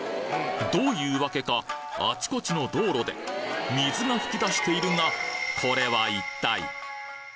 どういうわけかあちこちの道路で水が噴き出しているがこれは一体？